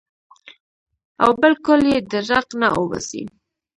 او بالکل ئې د ړق نه اوباسي -